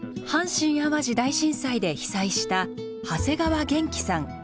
阪神・淡路大震災で被災した長谷川元気さん。